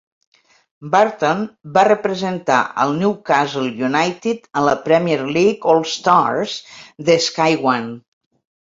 Barton va representar al Newcastle United a la "Premier League All Stars" de Sky One.